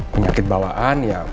penyakit bawaan ya